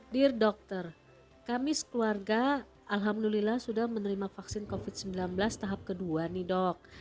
dear dokter kami sekeluarga alhamdulillah sudah menerima vaksin covid sembilan belas tahap kedua nih dok